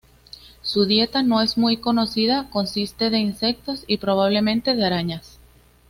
Su dieta no es muy conocida, consiste de insectos y probablemente de arañas.